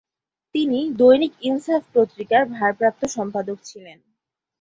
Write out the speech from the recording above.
তিনি দৈনিক ইনসাফ পত্রিকার ভারপ্রাপ্ত সম্পাদক ছিলেন।